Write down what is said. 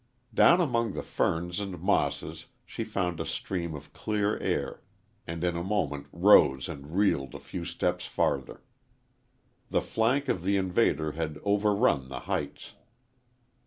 Down among the ferns and mosses she found a stratum of clear air, and in a moment rose and reeled a few steps farther. The flank of the invader had overrun the heights.